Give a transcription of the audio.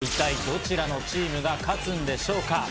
一体どちらのチームが勝つんでしょうか。